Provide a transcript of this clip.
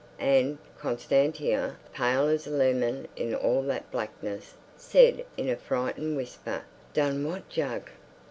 And Constantia, pale as a lemon in all that blackness, said in a frightened whisper, "Done what, Jug?"